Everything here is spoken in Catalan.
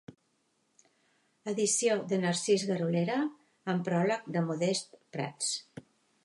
Edició de Narcís Garolera amb pròleg de Modest Prats.